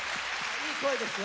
いい声ですよ。